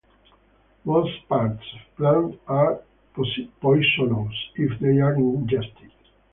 Most parts of plant are poisonous if they are ingested.